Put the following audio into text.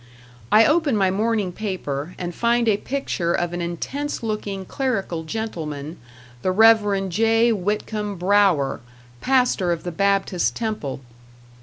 I open my morning paper, and find a picture of an intense looking clerical gentleman, the Rev. J. Whitcomb Brougher, pastor of the Baptist Temple.